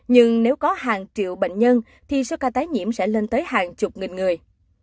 nhưng nếu có hàng triệu bệnh nhân thì số ca tái nhiễm sẽ lên tới hàng chục nghìn người